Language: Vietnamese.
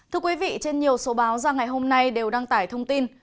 thưa quý vị trên nhiều số báo ra ngày hôm nay đều đăng tải thông tin